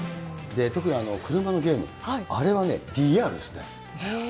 特に車のゲーム、あれはね、リアルですね。